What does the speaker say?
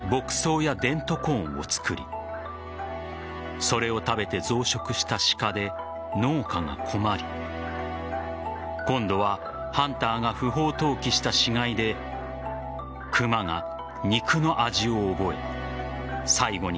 家畜を飼うために牧草やデントコーンを作りそれを食べて増殖した鹿で農家が困り今度はハンターが不法投棄した死骸でうわひどくなった！